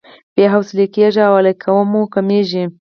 بې حوصلې کېږو او علاقه مو کميږي.